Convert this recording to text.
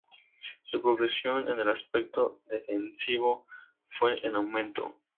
Su progresión en el aspecto defensivo fue en aumento.